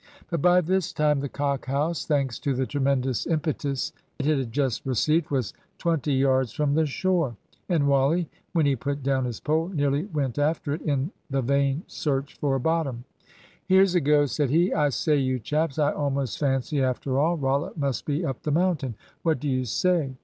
But by this time the "Cock House," thanks to the tremendous impetus it had just received, was twenty yards from the shore; and Wally, when he put down his pole, nearly went after it, in the vain search for a bottom. "Here's a go!" said he; "I say, you chaps, I almost fancy, after all, Rollitt must be up the mountain. What do you say?"